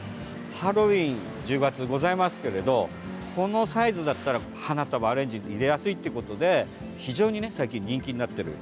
ハロウィーンが１０月ございますけれどこのサイズだったら花束アレンジに入れやすいっていうことで非常に最近人気になっています。